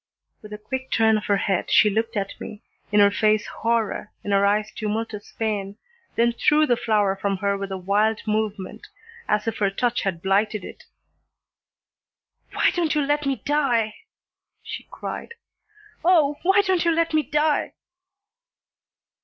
With a quick turn of her head she looked at me, in her face horror, in her eyes tumultuous pain, then threw the flower from her with a wild movement, as if her touch had blighted it. "Why don't you let me die!" she cried. "Oh, why don't you let me die!"